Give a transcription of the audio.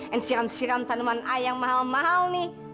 and siram siram taneman i yang mahal mahal nih